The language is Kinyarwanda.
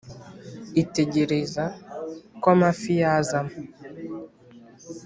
itegereza ko amafi yazamo,